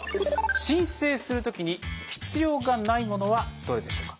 申請するときに必要がないものはどれでしょうか？